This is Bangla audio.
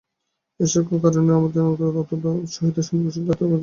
এই সকল কারণের জন্য আপাতত অত্যন্ত দুঃখের সহিত সিন্ধুদেশ যাত্রা স্থগিত রাখিলাম।